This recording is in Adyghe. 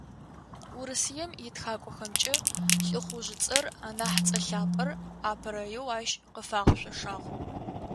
Урысыем итхакӀохэмкӏэ ЛӀыхъужъыцӏэр, анахь цӏэ лъапӏэр, апэрэеу ащ къыфагъэшъошагъ.